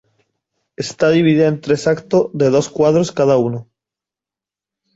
Está dividida en tres actos de dos cuadros cada uno.